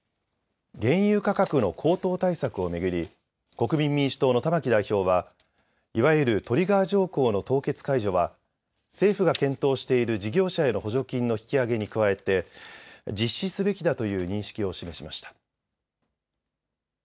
原油価格の高騰対策を巡り国民民主党の玉木代表はいわゆるトリガー条項の凍結解除は政府が検討している事業者への補助金の引き上げに加えて実施すべきだという認識を示しました。